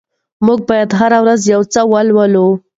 موږ بايد هره ورځ يو څه ولولو.